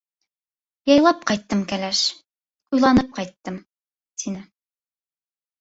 — Яйлап ҡайттым, кәләш, уйланып ҡайттым, — тине.